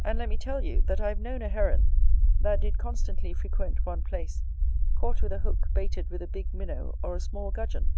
And let me tell you, that I have known a Heron, that did constantly frequent one place, caught with a hook baited with a big minnow or a small gudgeon.